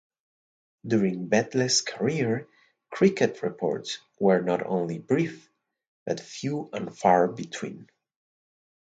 During Bedle's career, cricket reports were not only brief but few and far between.